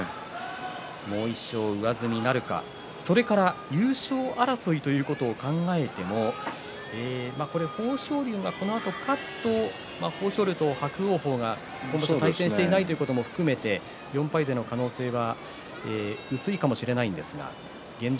もう１勝、上積みなるかそれから優勝争いということを考えても豊昇龍はこのあと勝つと豊昇龍と伯桜鵬が対戦していないということもあって４敗勢の可能性は薄いかもしれないんですが現状